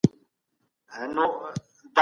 دفاع وزارت د تابعیت قانون نه سختوي.